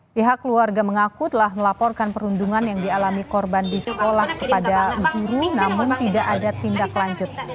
pihak keluarga mengaku telah melaporkan perundungan yang dialami korban di sekolah kepada guru namun tidak ada tindak lanjut